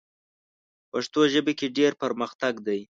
پښتو ژبه کې ډېر پرمختګ دی.